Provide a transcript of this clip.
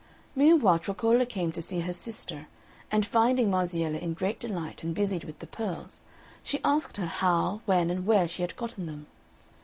Meanwhile Troccola came to see her sister, and finding Marziella in great delight and busied with the pearls, she asked her how, when, and where she had gotten them.